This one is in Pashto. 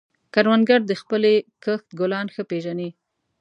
کروندګر د خپلې کښت ګلان ښه پېژني